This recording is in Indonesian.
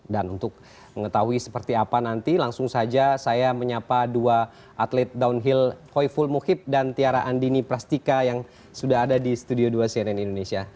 dan untuk mengetahui seperti apa nanti langsung saja saya menyapa dua atlet downhill hoi fulmukhip dan tiara andini prastika yang sudah ada di studio dua cnn indonesia